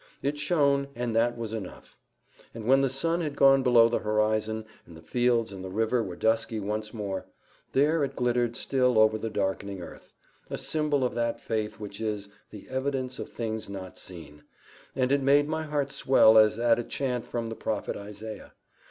It shone, and that was enough. And when the sun had gone below the horizon, and the fields and the river were dusky once more, there it glittered still over the darkening earth, a symbol of that faith which is "the evidence of things not seen," and it made my heart swell as at a chant from the prophet Isaiah.